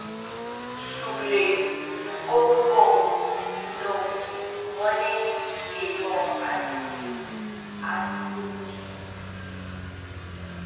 Sughle ñkôkon, nnôm, mône, é môr a si ye kî,